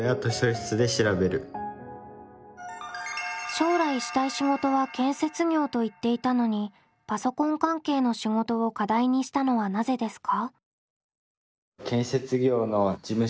将来したい仕事は建設業と言っていたのにパソコン関係の仕事を課題にしたのはなぜですか？